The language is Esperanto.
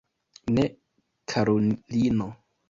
Ne, karulino.